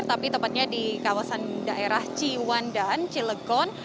tapi tempatnya di kawasan daerah ciwan dan cilegon